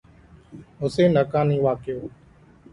حسين حقاني واقعو